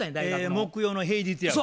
木曜の平日やわ。